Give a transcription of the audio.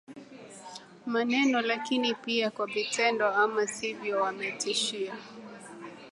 maneno lakini pia kwa vitendo Ama sivyo wametishia